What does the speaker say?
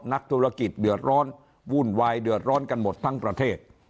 นักธุรกิจเดือดร้อนวุ่นวายเดือดร้อนกันหมดทั้งประเทศ